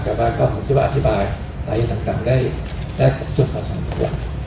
แต่ว่าผมคิดว่าอธิบายหลายอย่างต่างได้จุดของสำคัญ